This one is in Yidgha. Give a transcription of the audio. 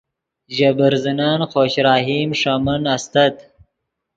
ژے برزنن خوش رحیم ݰے من استت